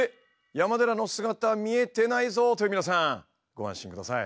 山寺の姿見えてないぞ！という皆さんご安心ください。